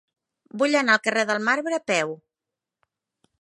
Vull anar al carrer del Marbre a peu.